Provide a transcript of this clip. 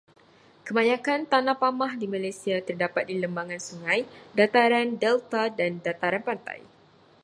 Kebanyakan tanah pamah di Malaysia terdapat di lembangan sungai, dataran, delta dan dataran pantai.